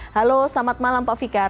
halo selamat malam pak fikar